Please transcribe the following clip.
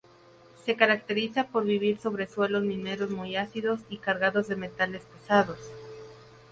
Se caracteriza por vivir sobre suelos mineros muy ácidos y cargados de metales pesados.